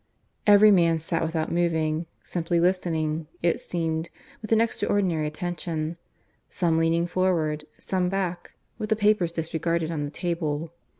Every man sat without moving, simply listening, it seemed, with an extraordinary attention; some leaning forward, some back, with the papers disregarded on the table.